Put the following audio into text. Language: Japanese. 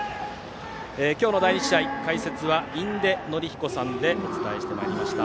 今日の第２試合の解説は印出順彦さんでお伝えしてまいりました。